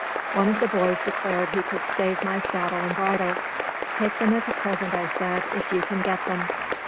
One of the boys declared he could save my saddle and bridle. "Take them as a present," I said, "if you can get them."